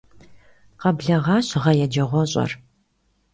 Къэблэгъащ гъэ еджэгъуэщIэр.